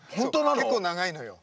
結構長いのよ。